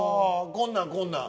こんなんこんなん。